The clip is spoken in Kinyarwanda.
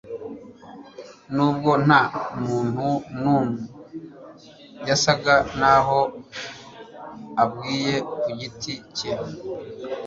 Nubwo nta muntu n'umwe yasaga naho abwiye ku giti cye,